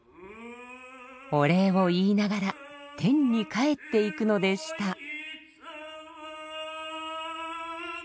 お礼を言いながら天に帰っていくのでした。